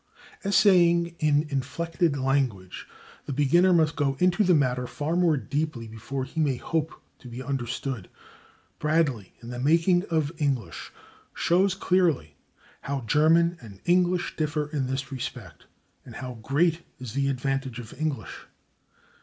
Essaying an inflected language, the beginner must go into the matter far more deeply before he may hope to be understood. Bradley, in "The Making of English," shows clearly how German and English differ in this respect, and how great is the advantage of English.